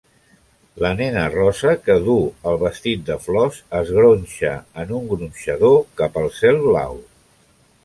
La nena rossa que duu el vestit de flors es gronxa en un gronxador cap al cel blau